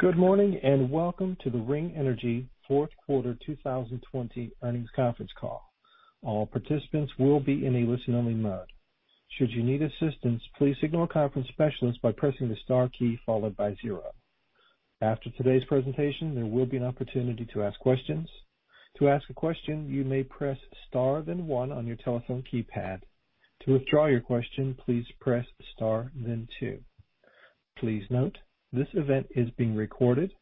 Good morning, and welcome to the Ring Energy fourth quarter 2020 earnings conference call. All participants will be in a listen-only mode. Should you need assistance, please signal a conference specialist by pressing the star key, followed by zero. After today's presentation, there will be an opportunity to ask questions. To ask a question, you may press star, then one on your telephone keypad. To withdraw your question, please press star, then two. Please note, this event is being recorded.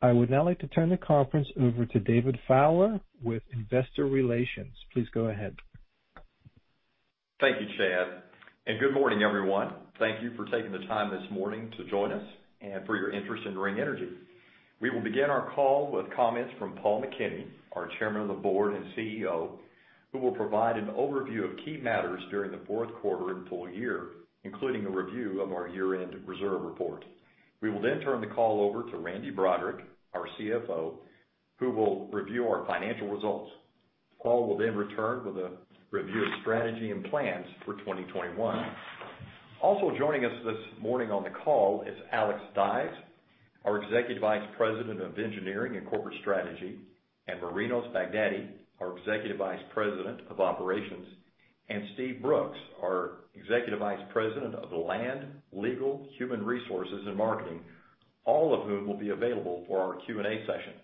I would now like to turn the conference over to David Fowler with investor relations. Please go ahead. Thank you, Paul McKinney, and good morning, everyone. Thank you for taking the time this morning to join us and for your interest in Ring Energy. We will begin our call with comments from Paul McKinney, our Chairman of the Board and CEO, who will provide an overview of key matters during the fourth quarter and full year, including a review of our year-end reserve report. We will turn the call over to Randy Broaddrick, our CFO, who will review our financial results. Paul will return with a review of strategy and plans for 2021. Also joining us this morning on the call is Alexander Dyes, our Executive Vice President of Engineering and Corporate Strategy, and Marinos Baghdati, our Executive Vice President of Operations, and Stephen D. Brooks, our Executive Vice President of Land, Legal, Human Resources and Marketing, all of whom will be available for our Q&A session.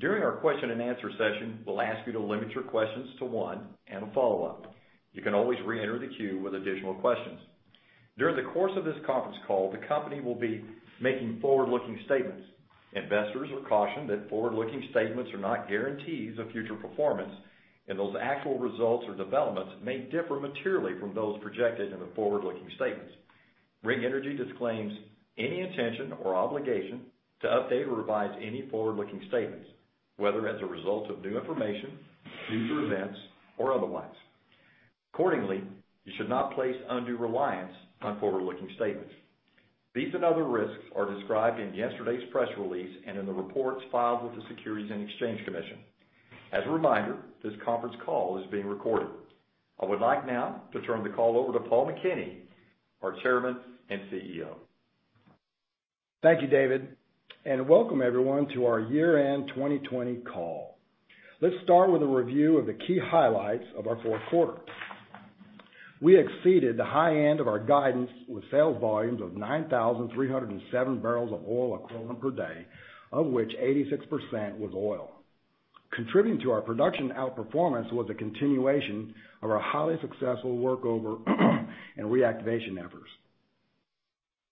During our question and answer session, we'll ask you to limit your questions to one and a follow-up. You can always reenter the queue with additional questions. During the course of this conference call, the company will be making forward-looking statements. Investors are cautioned that forward-looking statements are not guarantees of future performance, and those actual results or developments may differ materially from those projected in the forward-looking statements. Ring Energy disclaims any intention or obligation to update or revise any forward-looking statements, whether as a result of new information, future events, or otherwise. Accordingly, you should not place undue reliance on forward-looking statements. These and other risks are described in yesterday's press release and in the reports filed with the Securities and Exchange Commission. As a reminder, this conference call is being recorded. I would like now to turn the call over to Paul McKinney, our Chairman and CEO. Thank you, David, and welcome everyone to our year-end 2020 call. Let's start with a review of the key highlights of our fourth quarter. We exceeded the high end of our guidance with sales volumes of 9,307 barrels of oil equivalent per day, of which 86% was oil. Contributing to our production outperformance was a continuation of our highly successful workover and reactivation efforts.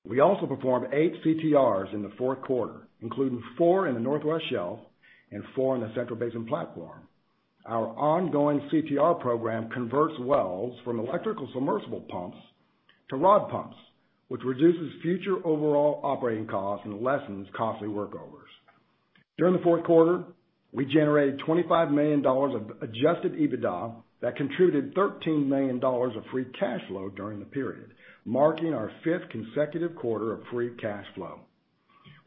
We also performed eight CTRs in the fourth quarter, including four in the Northwest Shelf and four in the Central Basin Platform. Our ongoing CTR program converts wells from electrical submersible pumps to rod pumps, which reduces future overall operating costs and lessens costly workovers. During the fourth quarter, we generated $25 million of adjusted EBITDA that contributed $13 million of free cash flow during the period, marking our fifth consecutive quarter of free cash flow.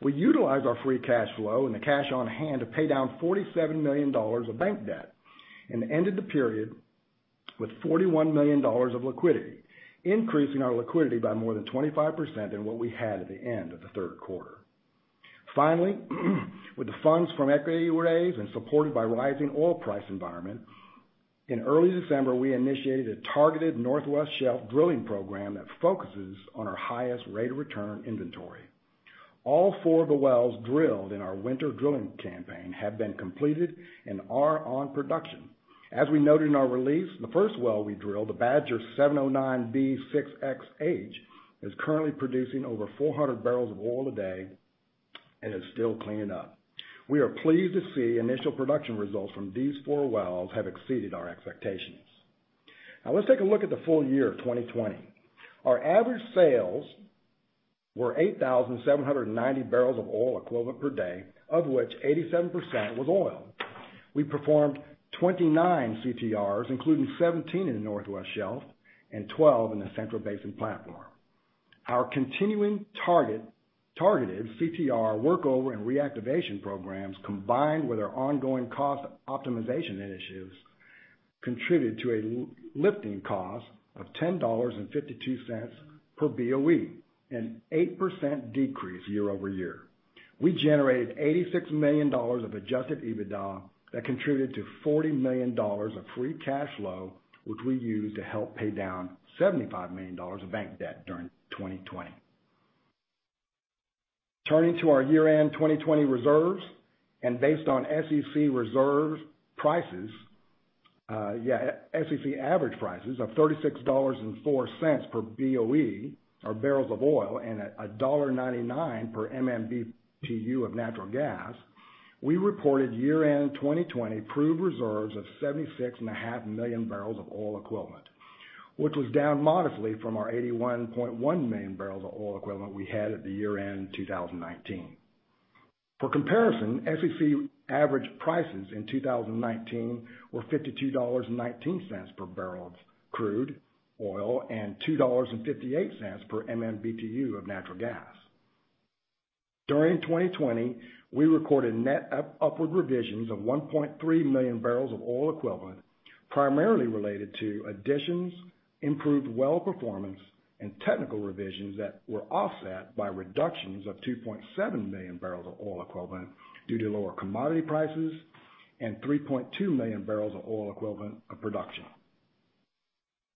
We utilized our free cash flow and the cash on hand to pay down $47 million of bank debt and ended the period with $41 million of liquidity, increasing our liquidity by more than 25% than what we had at the end of the third quarter. Finally, with the funds from equity raise and supported by rising oil price environment, in early December, we initiated a targeted Northwest Shelf drilling program that focuses on our highest rate of return inventory. All four of the wells drilled in our winter drilling campaign have been completed and are on production. As we noted in our release, the first well we drilled, the Badger 709 B #6XH, is currently producing over 400 barrels of oil a day and is still cleaning up. We are pleased to see initial production results from these four wells have exceeded our expectations. Let's take a look at the full year of 2020. Our average sales were 8,790 barrels of oil equivalent per day, of which 87% was oil. We performed 29 CTRs, including 17 in the Northwest Shelf and 12 in the Central Basin Platform. Our continuing targeted CTR workover and reactivation programs, combined with our ongoing cost optimization initiatives, contributed to a lifting cost of $10.52 per BOE, an 8% decrease year-over-year. We generated $86 million of adjusted EBITDA that contributed to $40 million of free cash flow, which we used to help pay down $75 million of bank debt during 2020. Turning to our year-end 2020 reserves and based on SEC average prices of $36.04 per BOE or barrels of oil and $1.99 per MMBtu of natural gas, we reported year-end 2020 proved reserves of 76.5 million barrels of oil equivalent, which was down modestly from our 81.1 million barrels of oil equivalent we had at the year-end 2019. For comparison, SEC average prices in 2019 were $52.19 per barrel of crude oil and $2.58 per MMBtu of natural gas. During 2020, we recorded net upward revisions of 1.3 million barrels of oil equivalent primarily related to additions, improved well performance, and technical revisions that were offset by reductions of 2.7 million barrels of oil equivalent due to lower commodity prices and 3.2 million barrels of oil equivalent of production.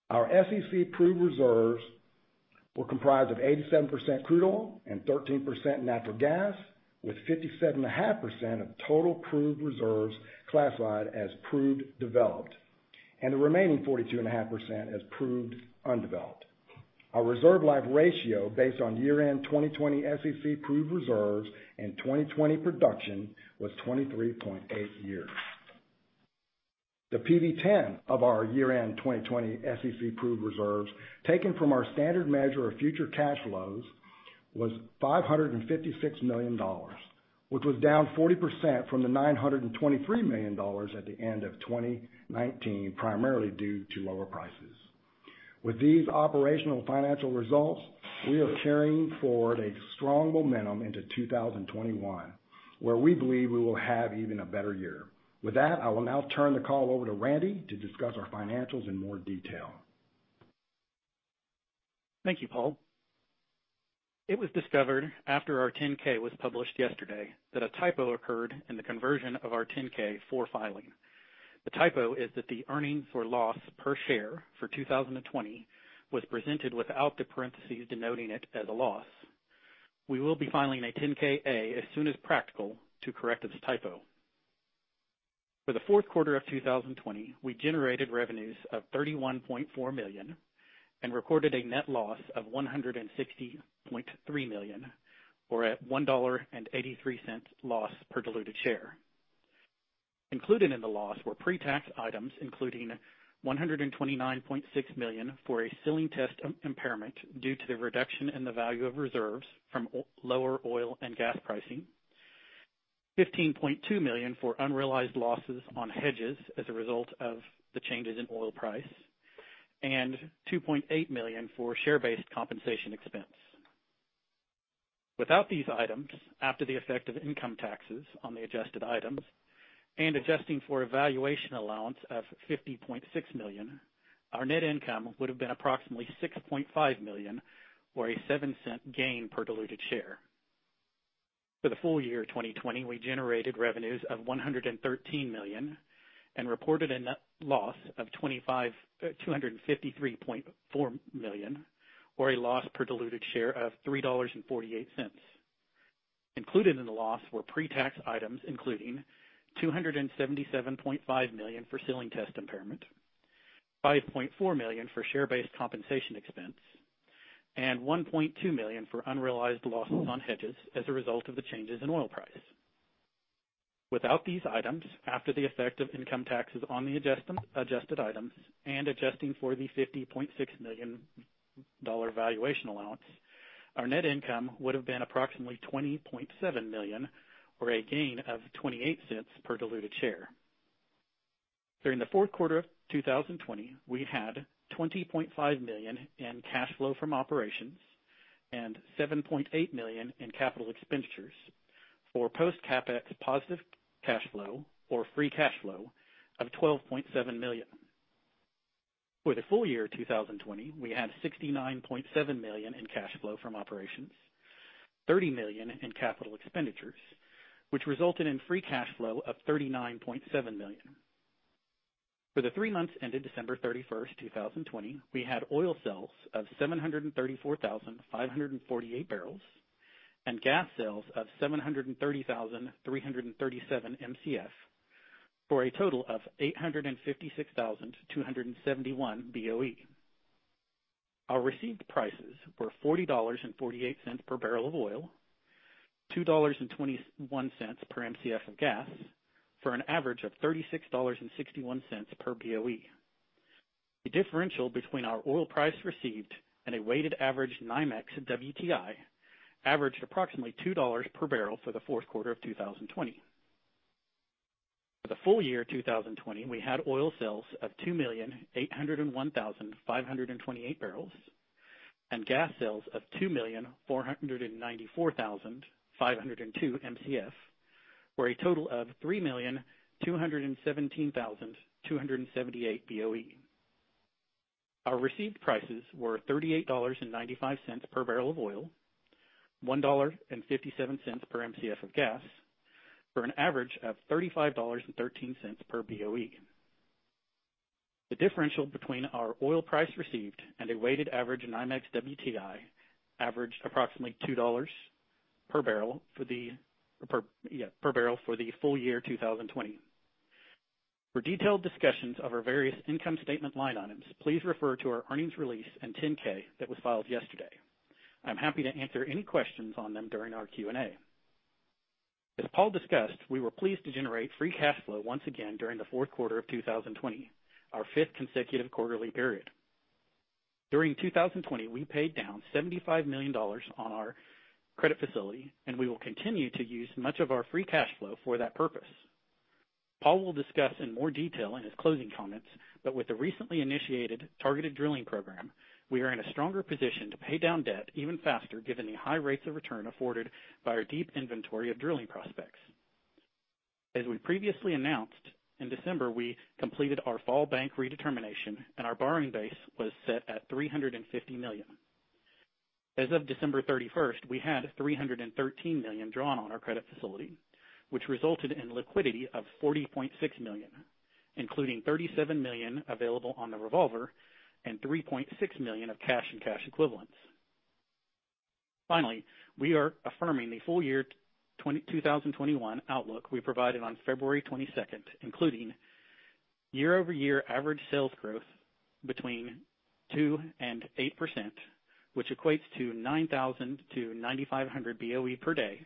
Our SEC proved reserves were comprised of 87% crude oil and 13% natural gas, with 57.5% of total proved reserves classified as proved developed, and the remaining 42.5% as proved undeveloped. Our reserve life ratio, based on year-end 2020 SEC proved reserves and 2020 production, was 23.8-years. The PV-10 of our year-end 2020 SEC proved reserves, taken from our standard measure of future cash flows, was $556 million, which was down 40% from the $923 million at the end of 2019, primarily due to lower prices. With these operational financial results, we are carrying forward a strong momentum into 2021, where we believe we will have even a better year. With that, I will now turn the call over to Randy to discuss our financials in more detail. Thank you, Paul. It was discovered after our 10-K was published yesterday that a typo occurred in the conversion of our 10-K for filing. The typo is that the earnings or loss per share for 2020 was presented without the parentheses denoting it as a loss. We will be filing a 10-K/A as soon as practical to correct this typo. For the fourth quarter of 2020, we generated revenues of $31.4 million and recorded a net loss of $160.3 million, or a $1.83 loss per diluted share. Included in the loss were pre-tax items, including $129.6 million for a ceiling test impairment due to the reduction in the value of reserves from lower oil and gas pricing, $15.2 million for unrealized losses on hedges as a result of the changes in oil price, and $2.8 million for share-based compensation expense. Without these items, after the effect of income taxes on the adjusted items and adjusting for a valuation allowance of $50.6 million, our net income would have been approximately $6.5 million or a $0.07 gain per diluted share. For the full year 2020, we generated revenues of $113 million and reported a net loss of $253.4 million, or a loss per diluted share of $3.48. Included in the loss were pre-tax items including $277.5 million for ceiling test impairment, $5.4 million for share-based compensation expense, and $1.2 million for unrealized losses on hedges as a result of the changes in oil price. Without these items, after the effect of income taxes on the adjusted items and adjusting for the $50.6 million valuation allowance, our net income would have been approximately $20.7 million or a gain of $0.28 per diluted share. During the fourth quarter of 2020, we had $20.5 million in cash flow from operations and $7.8 million in capital expenditures for post CapEx positive cash flow or free cash flow of $12.7 million. For the full year 2020, we had $69.7 million in cash flow from operations, $30 million in capital expenditures, which resulted in free cash flow of $39.7 million. For the three months ended December 31st, 2020, we had oil sales of 734,548 barrels and gas sales of 730,337 Mcf for a total of 856,271 BOE. Our received prices were $40.48 per barrel of oil, $2.21 per Mcf of gas, for an average of $36.61 per BOE. The differential between our oil price received and a weighted average NYMEX WTI averaged approximately $2 per barrel for the fourth quarter of 2020. For the full year 2020, we had oil sales of 2,801,528 barrels and gas sales of 2,494,502 Mcf for a total of 3,217,278 BOE. Our received prices were $38.95 per barrel of oil, $1.57 per Mcf of gas, for an average of $35.13 per BOE. The differential between our oil price received and a weighted average NYMEX WTI averaged approximately $2 per barrel for the full year 2020. For detailed discussions of our various income statement line items, please refer to our earnings release and 10-K that was filed yesterday. I'm happy to answer any questions on them during our Q&A. As Paul discussed, we were pleased to generate free cash flow once again during the fourth quarter of 2020, our fifth consecutive quarterly period. During 2020, we paid down $75 million on our credit facility. We will continue to use much of our free cash flow for that purpose. Paul will discuss in more detail in his closing comments that with the recently initiated targeted drilling program, we are in a stronger position to pay down debt even faster given the high rates of return afforded by our deep inventory of drilling prospects. As we previously announced, in December, we completed our fall bank redetermination. Our borrowing base was set at $350 million. As of December 31st, we had $313 million drawn on our credit facility, which resulted in liquidity of $40.6 million, including $37 million available on the revolver and $3.6 million of cash and cash equivalents. Finally, we are affirming the full year 2021 outlook we provided on February 22nd, including year-over-year average sales growth between 2% and 8%, which equates to 9,000-9,500 BOE per day,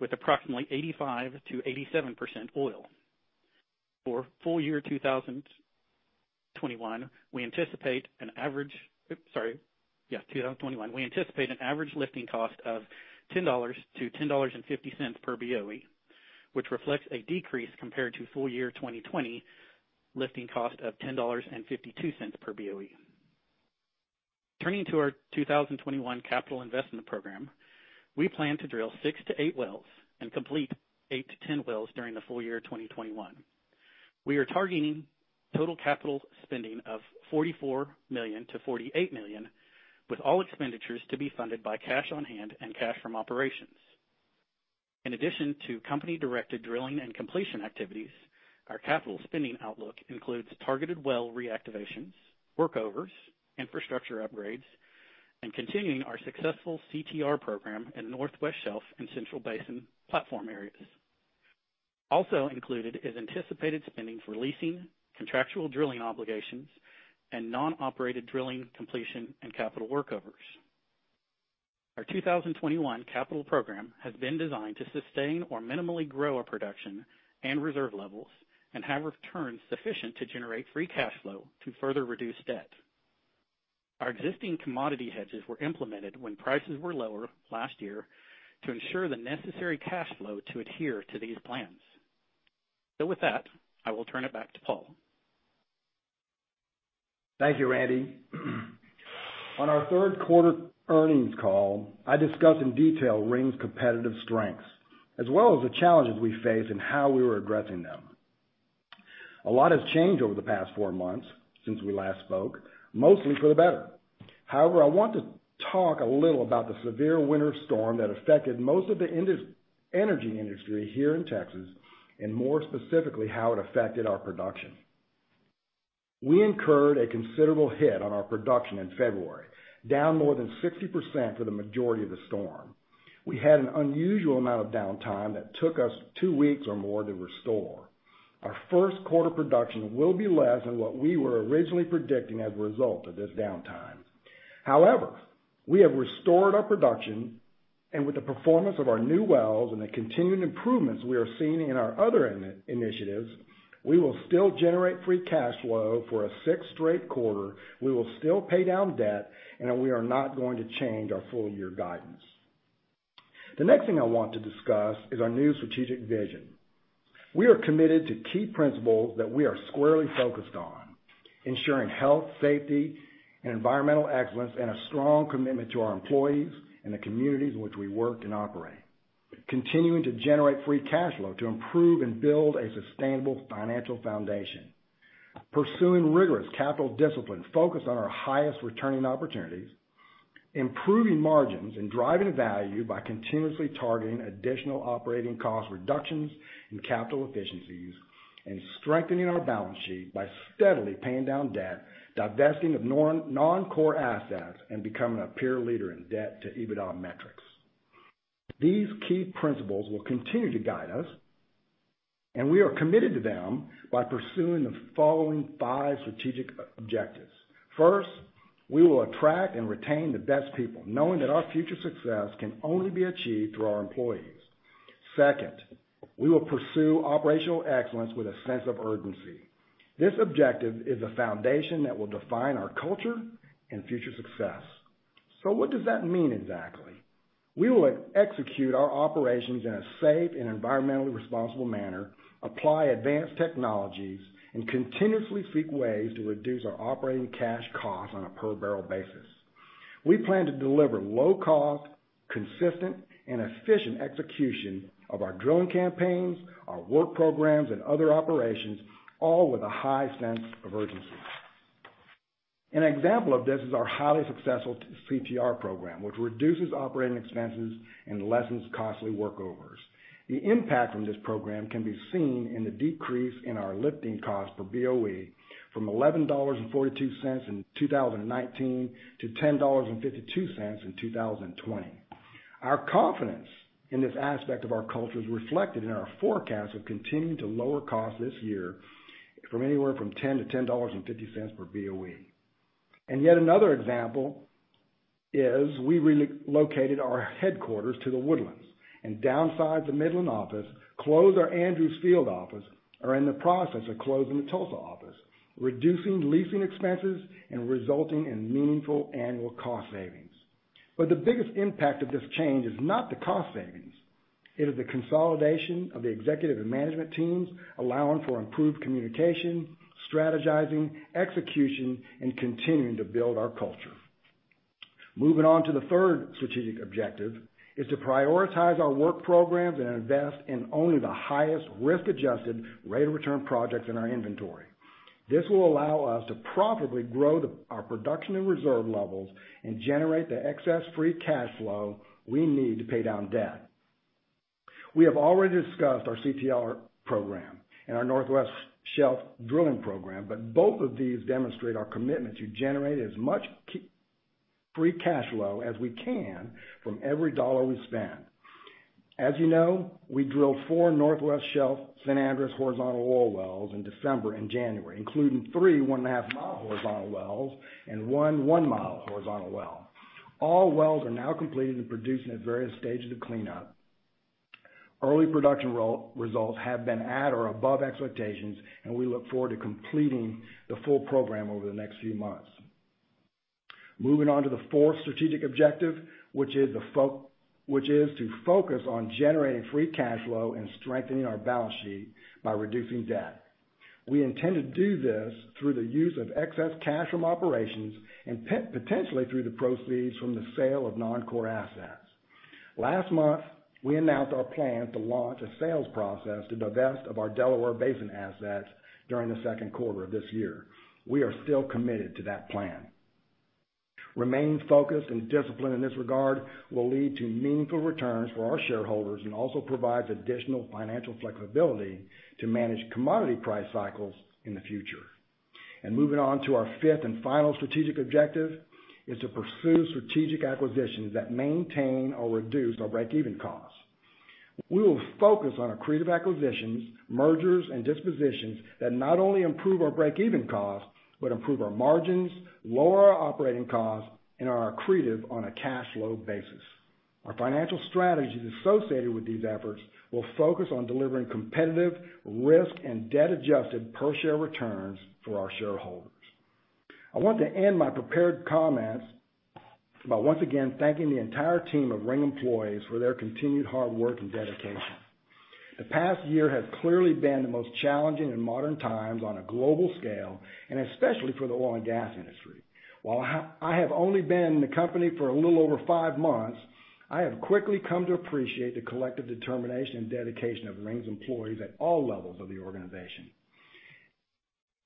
with approximately 85%-87% oil. For full year 2021, we anticipate an average lifting cost of $10-$10.50 per BOE, which reflects a decrease compared to full year 2020 lifting cost of $10.52 per BOE. Turning to our 2021 capital investment program, we plan to drill six to eight wells and complete 8-10 wells during the full year 2021. We are targeting total capital spending of $44 million-$48 million, with all expenditures to be funded by cash on hand and cash from operations. In addition to company-directed drilling and completion activities, our capital spending outlook includes targeted well reactivations, workovers, infrastructure upgrades, and continuing our successful CTR program in the Northwest Shelf and Central Basin Platform areas. Also included is anticipated spending for leasing, contractual drilling obligations, and non-operated drilling completion and capital workovers. Our 2021 capital program has been designed to sustain or minimally grow our production and reserve levels and have returns sufficient to generate free cash flow to further reduce debt. Our existing commodity hedges were implemented when prices were lower last year to ensure the necessary cash flow to adhere to these plans. With that, I will turn it back to Paul. Thank you, Randy. On our third quarter earnings call, I discussed in detail Ring's competitive strengths, as well as the challenges we face and how we were addressing them. A lot has changed over the past four months since we last spoke, mostly for the better. I want to talk a little about the severe winter storm that affected most of the energy industry here in Texas, and more specifically, how it affected our production. We incurred a considerable hit on our production in February, down more than 60% for the majority of the storm. We had an unusual amount of downtime that took us two weeks or more to restore. Our first quarter production will be less than what we were originally predicting as a result of this downtime. However, we have restored our production, and with the performance of our new wells and the continuing improvements we are seeing in our other initiatives, we will still generate free cash flow for a sixth straight quarter, we will still pay down debt, and we are not going to change our full-year guidance. The next thing I want to discuss is our new strategic vision. We are committed to key principles that we are squarely focused on, ensuring health, safety, and environmental excellence, and a strong commitment to our employees and the communities in which we work and operate. Continuing to generate free cash flow to improve and build a sustainable financial foundation. Pursuing rigorous capital discipline focused on our highest returning opportunities. Improving margins and driving value by continuously targeting additional operating cost reductions and capital efficiencies, and strengthening our balance sheet by steadily paying down debt, divesting of non-core assets, and becoming a peer leader in debt to EBITDA metrics. These key principles will continue to guide us, and we are committed to them by pursuing the following five strategic objectives. First, we will attract and retain the best people, knowing that our future success can only be achieved through our employees. Second, we will pursue operational excellence with a sense of urgency. This objective is a foundation that will define our culture and future success. What does that mean exactly? We will execute our operations in a safe and environmentally responsible manner, apply advanced technologies, and continuously seek ways to reduce our operating cash costs on a per-barrel basis. We plan to deliver low cost, consistent, and efficient execution of our drilling campaigns, our work programs, and other operations, all with a high sense of urgency. An example of this is our highly successful CTR program, which reduces operating expenses and lessens costly workovers. The impact from this program can be seen in the decrease in our lifting cost per BOE from $11.42 in 2019 to $10.52 in 2020. Our confidence in this aspect of our culture is reflected in our forecast of continuing to lower costs this year from anywhere from $10-$10.50 per BOE. Yet another example is we relocated our headquarters to The Woodlands and downsized the Midland office, closed our Andrews Field office, are in the process of closing the Tulsa office, reducing leasing expenses and resulting in meaningful annual cost savings. The biggest impact of this change is not the cost savings. It is the consolidation of the executive and management teams, allowing for improved communication, strategizing, execution, and continuing to build our culture. Moving on to the third strategic objective, is to prioritize our work programs and invest in only the highest risk-adjusted rate of return projects in our inventory. This will allow us to profitably grow our production and reserve levels and generate the excess free cash flow we need to pay down debt. We have already discussed our CTR program and our Northwest Shelf drilling program, but both of these demonstrate our commitment to generate as much free cash flow as we can from every dollar we spend. As you know, we drilled four Northwest Shelf San Andres horizontal oil wells in December and January, including three one and a half mile horizontal wells and one mile horizontal well. All wells are now completed and produced in various stages of cleanup. Early production results have been at or above expectations, and we look forward to completing the full program over the next few months. Moving on to the fourth strategic objective, which is to focus on generating free cash flow and strengthening our balance sheet by reducing debt. We intend to do this through the use of excess cash from operations and potentially through the proceeds from the sale of non-core assets. Last month, we announced our plan to launch a sales process to divest of our Delaware Basin assets during the second quarter of this year. We are still committed to that plan. Remaining focused and disciplined in this regard will lead to meaningful returns for our shareholders and also provides additional financial flexibility to manage commodity price cycles in the future. Moving on to our fifth and final strategic objective, is to pursue strategic acquisitions that maintain or reduce our break-even costs. We will focus on accretive acquisitions, mergers, and dispositions that not only improve our break-even costs, but improve our margins, lower our operating costs, and are accretive on a cash flow basis. Our financial strategies associated with these efforts will focus on delivering competitive risk and debt-adjusted per-share returns for our shareholders. I want to end my prepared comments by once again thanking the entire team of Ring employees for their continued hard work and dedication. The past year has clearly been the most challenging in modern times on a global scale, and especially for the oil and gas industry. While I have only been in the company for a little over five months, I have quickly come to appreciate the collective determination and dedication of Ring's employees at all levels of the organization.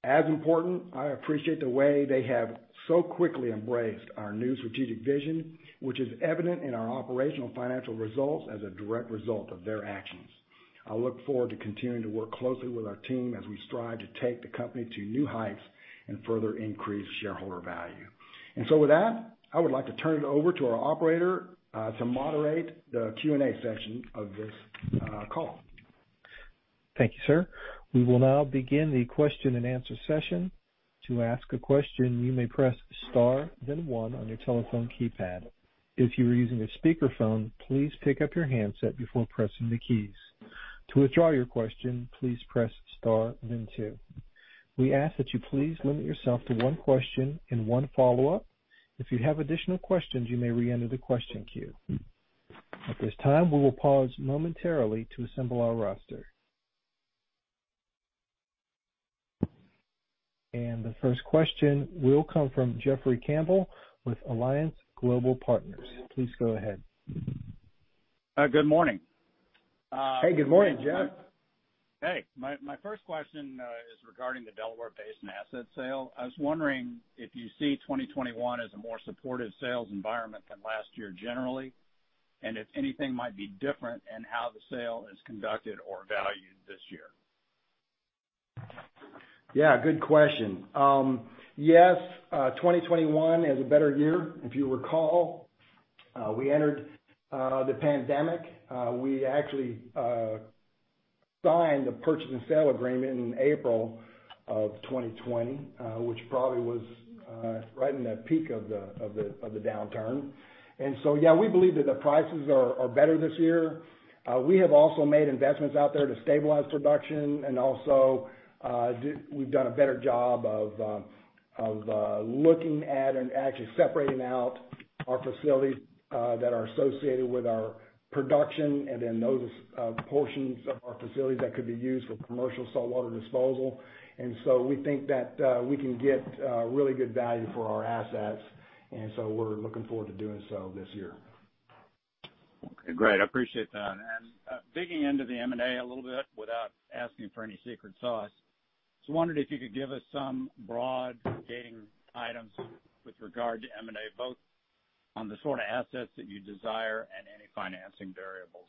As important, I appreciate the way they have so quickly embraced our new strategic vision, which is evident in our operational financial results as a direct result of their actions. I look forward to continuing to work closely with our team as we strive to take the company to new heights and further increase shareholder value. With that, I would like to turn it over to our operator to moderate the Q&A session of this call. Thank you, sir. We will now bring the question and answer session to ask a question, you may press star then one and on your telephone keypad. If you are using a speaker phone, Please pick up your handset before pressing the keys. To withdraw your question, please press star then two. We ask that you please limit yourself to one question and one follow-up. If you have additional questions, you may re-enter the question queue. At this time we will pass momentarily to assemble our roster. The first question will come from Jeffrey Campbell with Alliance Global Partners. Please go ahead. Good morning. Hey, good morning, Jeff. Hey. My first question is regarding the Delaware Basin asset sale. I was wondering if you see 2021 as a more supportive sales environment than last year generally, and if anything might be different in how the sale is conducted or valued this year. Yeah, good question. Yes, 2021 is a better year. If you recall, we entered the pandemic. We actually signed the purchase and sale agreement in April of 2020, which probably was right in the peak of the downturn. Yeah, we believe that the prices are better this year. We have also made investments out there to stabilize production, and also we've done a better job of looking at and actually separating out our facilities that are associated with our production, and then those portions of our facilities that could be used for commercial saltwater disposal. We think that we can get really good value for our assets, and so we're looking forward to doing so this year. Okay, great. I appreciate that. Digging into the M&A a little bit, without asking for any secret sauce, just wondered if you could give us some broad gating items with regard to M&A, both on the sort of assets that you desire and any financing variables.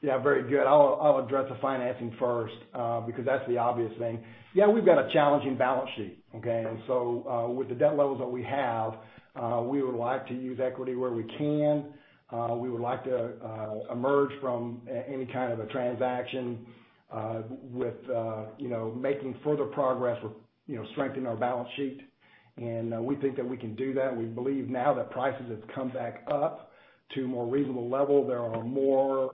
Yeah, very good. I'll address the financing first, because that's the obvious thing. Yeah, we've got a challenging balance sheet. Okay? With the debt levels that we have, we would like to use equity where we can. We would like to emerge from any kind of a transaction with making further progress with strengthening our balance sheet, and we think that we can do that. We believe now that prices have come back up to a more reasonable level. There are more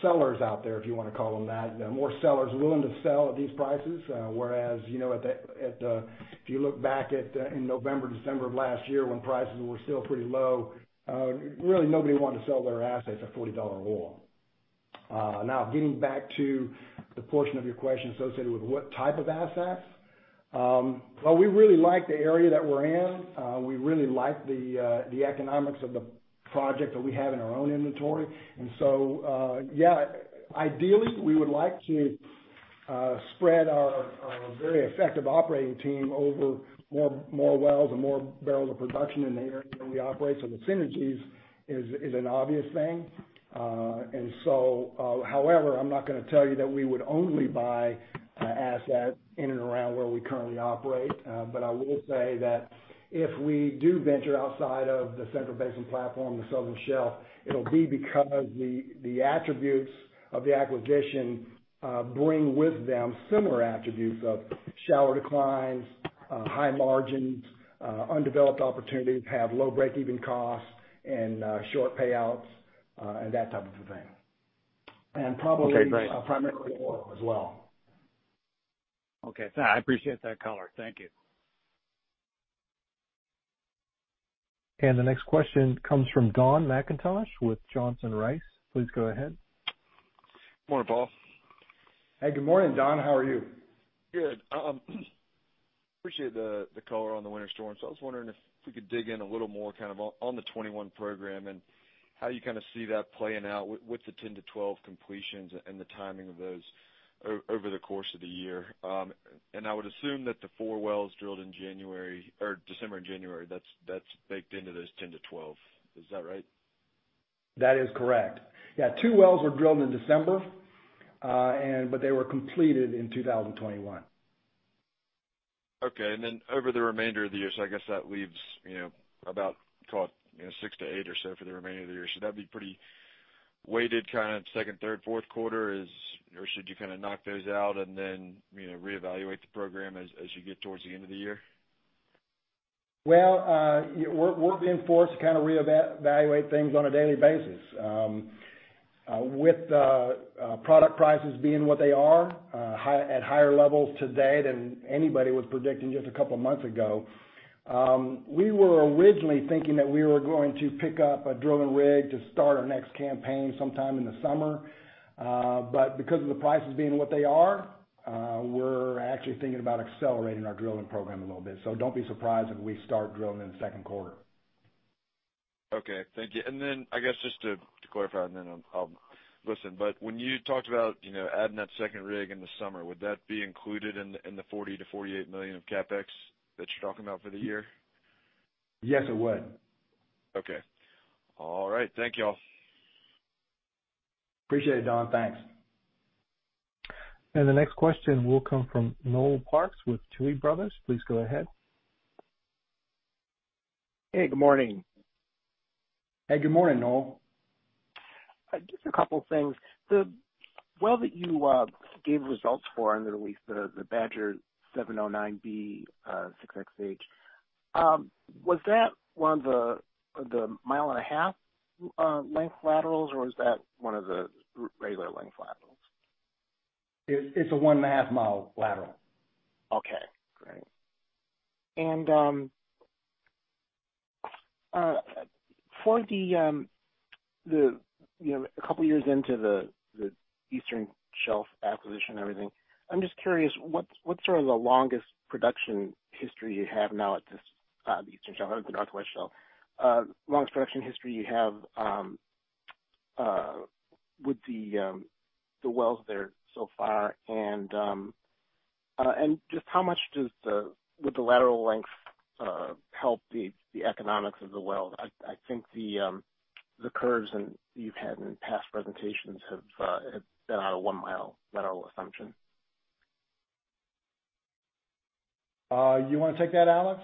sellers out there, if you want to call them that. More sellers willing to sell at these prices. Whereas if you look back at in November, December of last year, when prices were still pretty low, really nobody wanted to sell their assets at $40 oil. Now, getting back to the portion of your question associated with what type of assets. Well, we really like the area that we're in. We really like the economics of the project that we have in our own inventory. Yeah, ideally, we would like to spread our very effective operating team over more wells and more barrels of production in the area that we operate. The synergies is an obvious thing. However, I'm not going to tell you that we would only buy assets in and around where we currently operate. I will say that if we do venture outside of the Central Basin Platform, the Southern Shelf, it'll be because the attributes of the acquisition bring with them similar attributes of shallow declines, high margins, undeveloped opportunities, have low breakeven costs, and short payouts, and that type of a thing. Okay, great. Probably, primarily oil as well. Okay. I appreciate that color. Thank you. The next question comes from Dun McIntosh with Johnson Rice. Please go ahead. Morning, Paul. Hey, good morning, Dun. How are you? Good. Appreciate the color on the winter storm. I was wondering if we could dig in a little more on the 2021 program and how you see that playing out with the 10-12 completions and the timing of those over the course of the year. I would assume that the four wells drilled in December and January, that's baked into those 10-12. Is that right? That is correct. Yeah, two wells were drilled in December, but they were completed in 2021. Okay. Over the remainder of the year, I guess that leaves about six to eight or so for the remainder of the year. That'd be pretty weighted second, third, fourth quarter, or should you knock those out and then reevaluate the program as you get towards the end of the year? Well, we're being forced to reevaluate things on a daily basis. With product prices being what they are, at higher levels today than anybody was predicting just a couple of months ago. We were originally thinking that we were going to pick up a drilling rig to start our next campaign sometime in the summer. Because of the prices being what they are, we're actually thinking about accelerating our drilling program a little bit. Don't be surprised if we start drilling in the second quarter. Okay. Thank you. I guess, just to clarify, and then I'll listen. When you talked about adding that second rig in the summer, would that be included in the $40 million-$48 million of CapEx that you're talking about for the year? Yes, it would. Okay. All right. Thank you all. Appreciate it, Dun. Thanks. The next question will come from Noel Parks with Tuohy Brothers. Please go ahead. Hey, good morning. Hey, good morning, Noel. Just a couple of things. The well that you gave results for in the release, the Badger 709 B #6XH, was that one of the mile and a half length laterals, or was that one of the regular length laterals? It's a one and a half mile lateral. Okay, great. For a couple years into the Eastern Shelf acquisition and everything, I'm just curious, what's sort of the longest production history you have now at the Eastern Shelf or the Northwest Shelf? Longest production history you have with the wells there so far, just how much would the lateral length help the economics of the well? I think the curves you've had in past presentations have been on a one-mile lateral assumption. You want to take that, Alex?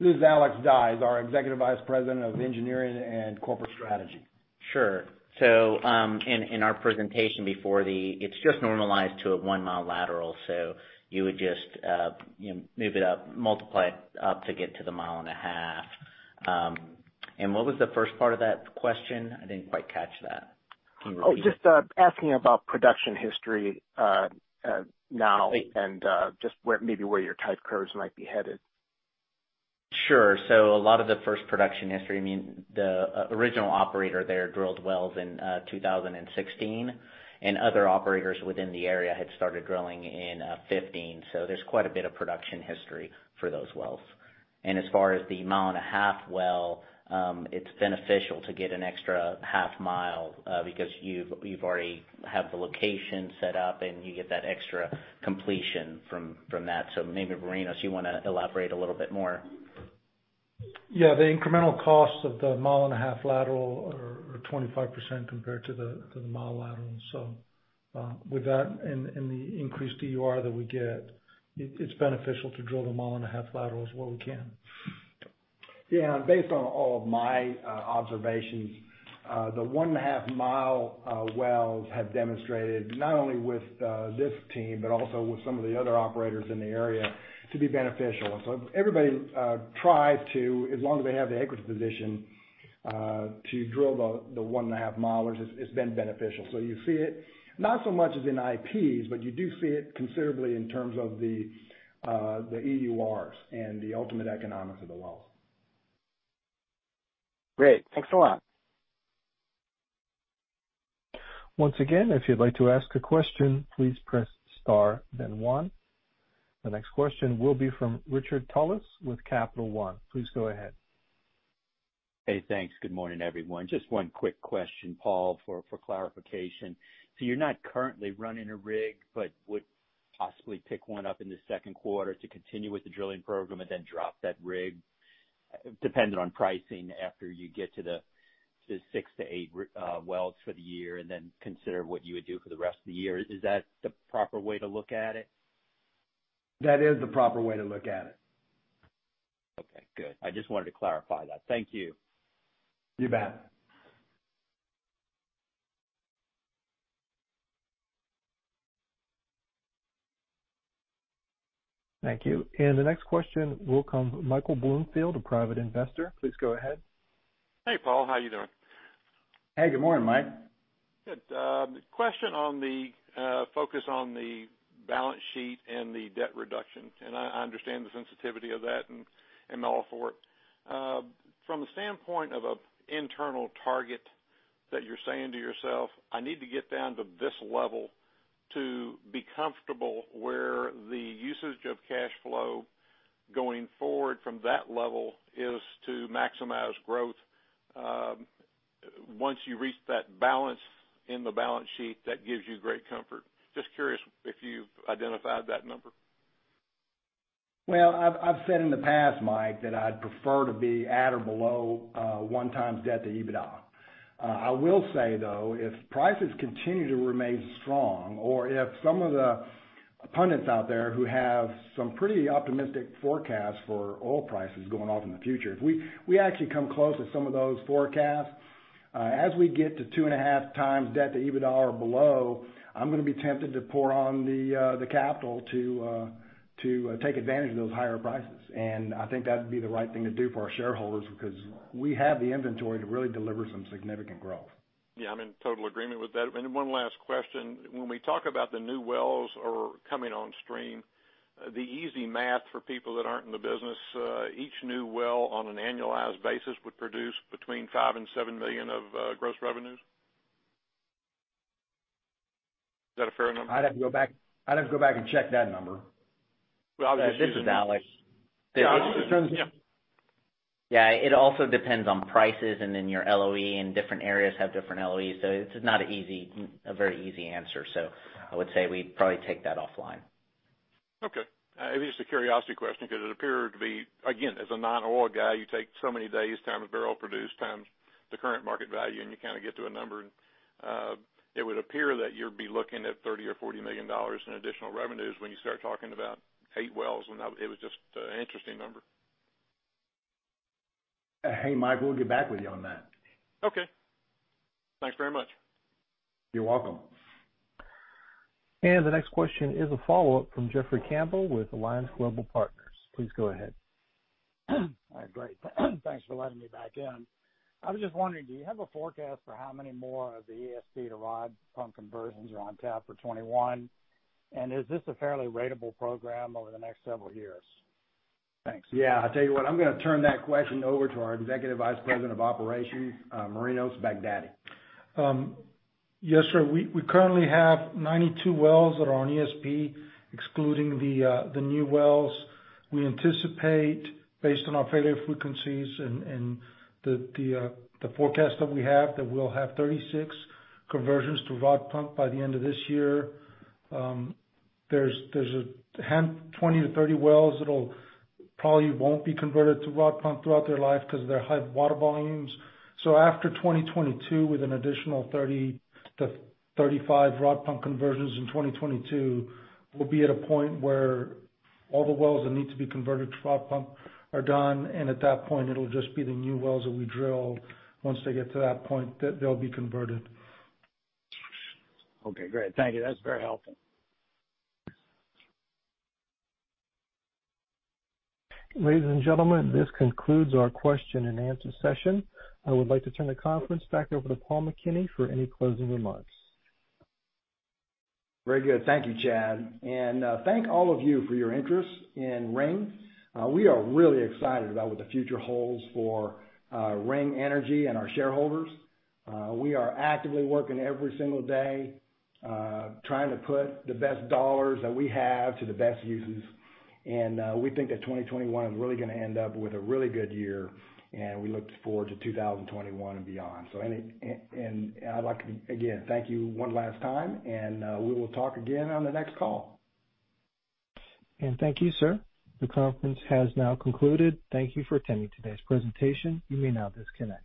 This is Alexander Dyes, our Executive Vice President of Engineering and Corporate Strategy. Sure. In our presentation before. It's just normalized to a one-mile lateral, so you would just move it up, multiply it up to get to the mile and a half. What was the first part of that question? I didn't quite catch that. Can you repeat it? Oh, just asking about production history now and just maybe where your type curves might be headed. Sure. A lot of the first production history, the original operator there drilled wells in 2016, and other operators within the area had started drilling in 2015. There's quite a bit of production history for those wells. As far as the mile and a half well, it's beneficial to get an extra half mile because you've already had the location set up, and you get that extra completion from that. Maybe, Marinos, you want to elaborate a little bit more? Yeah, the incremental costs of the mile and a half lateral are 25% compared to the mile lateral. With that and the increased EUR that we get, it's beneficial to drill the mile and a half laterals where we can. Yeah, based on all of my observations, the one and a half mile wells have demonstrated not only with this team but also with some of the other operators in the area to be beneficial. Everybody tries to, as long as they have the equity position, to drill the one and a half milers. It's been beneficial. You see it not so much as in IPs, but you do see it considerably in terms of the EURs and the ultimate economics of the wells. Great. Thanks a lot. Once again, if you'd like to ask a question, please press star then one. The next question will be from Richard Tullis with Capital One. Please go ahead. Hey, thanks. Good morning, everyone. Just one quick question, Paul, for clarification. You're not currently running a rig but would possibly pick one up in the second quarter to continue with the drilling program and then drop that rig depending on pricing after you get to the six to eight wells for the year and then consider what you would do for the rest of the year. Is that the proper way to look at it? That is the proper way to look at it. Okay, good. I just wanted to clarify that. Thank you. You bet. Thank you. The next question will come from Michael Bloomfield, a private investor. Please go ahead. Hey, Paul, how are you doing? Hey, good morning, Mike. Good. Question on the focus on the balance sheet and the debt reduction. I understand the sensitivity of that and I'm all for it. From the standpoint of an internal target that you're saying to yourself, "I need to get down to this level to be comfortable where the usage of cash flow going forward from that level is to maximize growth once you reach that balance in the balance sheet," that gives you great comfort. Just curious if you've identified that number. I've said in the past, Mike, that I'd prefer to be at or below one times debt to EBITDA. I will say, though, if prices continue to remain strong or if some of the pundits out there who have some pretty optimistic forecasts for oil prices going off in the future, if we actually come close to some of those forecasts, as we get to two and a half times debt to EBITDA or below, I'm going to be tempted to pour on the capital to take advantage of those higher prices. I think that'd be the right thing to do for our shareholders because we have the inventory to really deliver some significant growth. Yeah, I'm in total agreement with that. One last question. When we talk about the new wells or coming on stream, the easy math for people that aren't in the business, each new well on an annualized basis would produce between $5 million and $7 million of gross revenues? Is that a fair number? I'd have to go back and check that number. Well, I'll just. This is Alex. Yeah. Yeah, it also depends on prices, and then your LOE, and different areas have different LOEs, so it's not a very easy answer. I would say we'd probably take that offline. Okay. It's just a curiosity question because it appeared to be, again, as a non-oil guy, you take so many days times the barrel produced times the current market value, and you kind of get to a number. It would appear that you'd be looking at $30 million or $40 million in additional revenues when you start talking about eight wells. It was just an interesting number. Hey, Mike, we'll get back with you on that. Okay. Thanks very much. You're welcome. The next question is a follow-up from Jeffrey Campbell with Alliance Global Partners. Please go ahead. Great. Thanks for letting me back in. I was just wondering, do you have a forecast for how many more of the ESP to rod pump conversions are on tap for 2021? Is this a fairly ratable program over the next several years? Thanks. Yeah. I tell you what, I'm going to turn that question over to our Executive Vice President of Operations, Marinos Baghdati. Yes, sir. We currently have 92 wells that are on ESP, excluding the new wells. We anticipate, based on our failure frequencies and the forecast that we have, that we'll have 36 conversions to rod pump by the end of this year. There's a 20-30 wells that probably won't be converted to rod pump throughout their life because they have high water volumes. After 2022, with an additional 30-35 rod pump conversions in 2022, we'll be at a point where all the wells that need to be converted to rod pump are done, and at that point it'll just be the new wells that we drill. Once they get to that point, they'll be converted. Okay, great. Thank you. That's very helpful. Ladies and gentlemen, this concludes our question and answer session. I would like to turn the conference back over to Paul McKinney for any closing remarks. Very good. Thank you, Zain. Thank all of you for your interest in Ring. We are really excited about what the future holds for Ring Energy and our shareholders. We are actively working every single day, trying to put the best dollars that we have to the best uses. We think that 2021 is really going to end up with a really good year, and we look forward to 2021 and beyond. I'd like to, again, thank you one last time, and we will talk again on the next call. Thank you, sir. The conference has now concluded. Thank you for attending today's presentation.